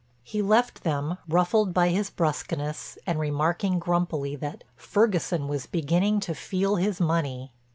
He left them, ruffled by his brusqueness and remarking grumpily that "Ferguson was beginning to feel his money."